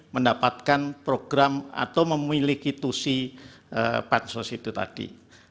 mendapatkan program atau memiliki tusi bansos itu tadi